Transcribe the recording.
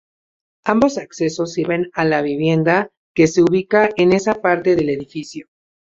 Ambos accesos sirven a la vivienda que se ubica en esa parte del edificio.